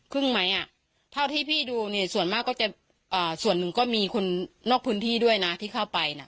ไหมอ่ะเท่าที่พี่ดูเนี่ยส่วนมากก็จะอ่าส่วนหนึ่งก็มีคนนอกพื้นที่ด้วยนะที่เข้าไปน่ะ